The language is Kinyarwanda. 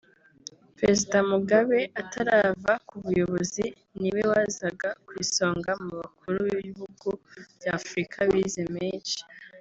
Perezida Mugabe atarava ku buyobozi niwe wazaga ku isonga mu bakuru b’ibihugu bya Afurika bize menshi